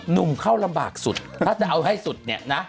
หนุ่มเข้าลำบากสุดถ้าจะเอาให้สุดเนี่ยนะ